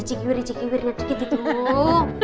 cikguirnya ada gitu